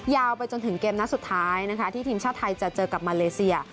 ไปจนถึงเกมนัดสุดท้ายนะคะที่ทีมชาติไทยจะเจอกับมาเลเซีย